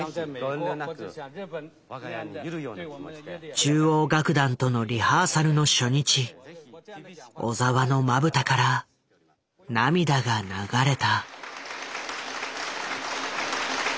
中央楽団とのリハーサルの初日小澤のまぶたから涙が流れた。